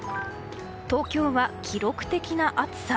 東京は記録的な暑さ。